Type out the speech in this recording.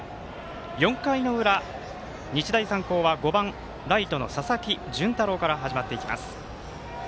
４回の裏、日大三高はライトの佐々木純太郎から始まっていきます。